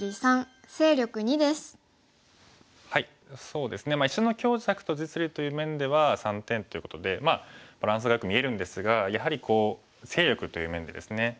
そうですね石の強弱と実利という面では３点ということでまあバランスがよく見えるんですがやはり勢力という面でですね